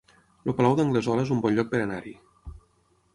El Palau d'Anglesola es un bon lloc per anar-hi